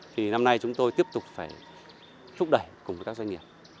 thì năm nay chúng tôi tiếp tục phải thúc đẩy cùng với các doanh nghiệp